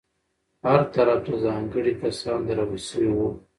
هر طرف ته ځانګړي کسان درول شوي وو.